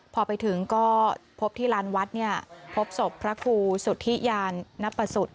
พอไปถึงก็พบที่ลานวัดเนี่ยพบศพพระครูสุธิยานนับประสุทธิ์